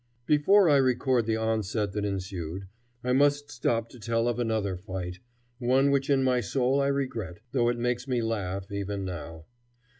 Before I record the onset that ensued, I must stop to tell of another fight, one which in my soul I regret, though it makes me laugh even now.